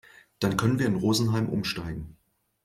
Dann können wir in Rosenheim umsteigen.